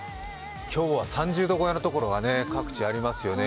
今日は３０度超えのところが各地ありますよね。